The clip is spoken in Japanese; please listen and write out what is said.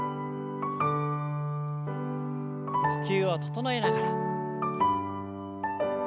呼吸を整えながら。